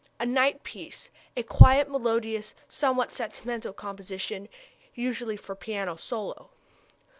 a night piece; a quiet, melodious, somewhat sentimental composition, usually for piano solo.